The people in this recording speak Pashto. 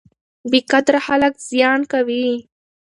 بې قدره خلک زیان کوي.